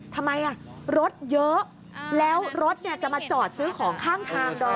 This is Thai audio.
ทำไมรถเยอะแล้วรถจะมาจอดซื้อของข้างทางดอม